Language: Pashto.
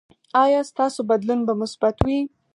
ایا ستاسو بدلون به مثبت وي؟